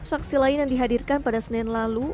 saksi lain yang dihadirkan pada senin lalu